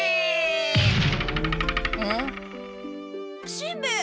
しんべヱ！